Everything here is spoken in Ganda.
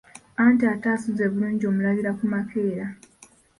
Anti atasuzze bulungi omulabira ku makeera.